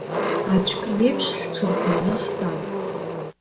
Аӡәк иеиԥш ҳҽырхианы ҳтәан.